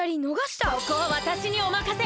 ここはわたしにおまかせ！